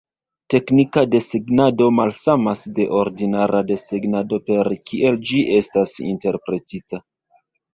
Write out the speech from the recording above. Teknika desegnado malsamas de ordinara desegnado per kiel ĝi estas interpretita.